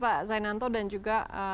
pak zainanto dan juga